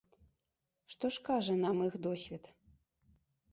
Што ж кажа нам іх досвед?